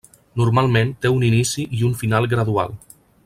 Normalment té un inici i un final gradual.